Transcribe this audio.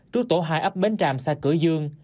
trú tổ hai ấp bến tràm xã cửa dương